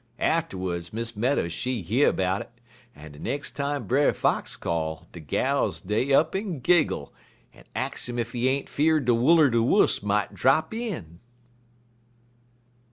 Atterwuds, Miss Meadows she year 'bout it, en de nex' time Brer Fox call, de gals dey up en giggle, en ax 'im ef he ain't feard de Wull er de Wust mought drap in."